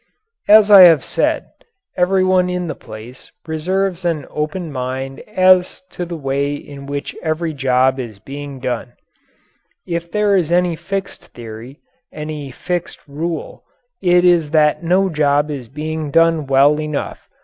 As I have said, everyone in the place reserves an open mind as to the way in which every job is being done. If there is any fixed theory any fixed rule it is that no job is being done well enough.